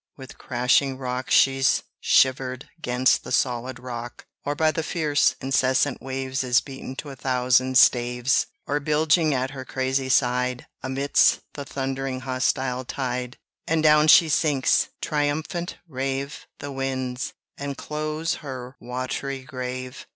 with crashing shock She's shivered 'gainst the solid rock, Or by the fierce, incessant waves Is beaten to a thousand staves; Or bilging at her crazy side, Admits the thundering hostile tide, And down she sinks! triumphant rave The winds, and close her wat'ry grave!